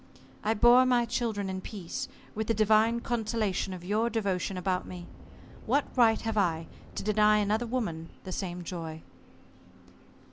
I bore my children in peace, with the divine consolation of your devotion about me. What right have I to deny another woman the same joy?"